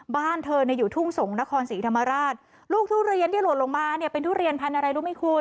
บ้านเธอเนี่ยอยู่ทุ่งสงศ์นครศรีธรรมราชลูกทุเรียนที่หล่นลงมาเนี่ยเป็นทุเรียนพันธุ์อะไรรู้ไหมคุณ